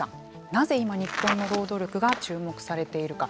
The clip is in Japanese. なぜ今、日本の労働力が注目されているか。